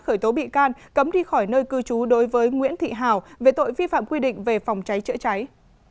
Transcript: khởi tố bị can cấm đi khỏi nơi cư trú đối với nguyễn thị hào về tội vi phạm quy định về phòng cháy chữa cháy